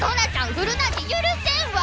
ふるなんて許せんわ！